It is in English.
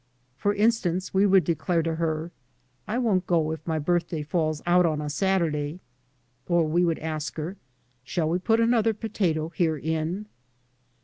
For instance we would declare to her, " I won't go if my birthday falls out on a Saturday," or we would ask her, " Shall we put another potato here in